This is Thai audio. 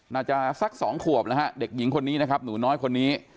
สัก๒ขวบนะฮะเด็กหญิงคนนี้นะครับหนูน้อยคนนี้